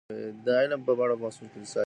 د علم په اړه بحث په کليساوو کي کيده.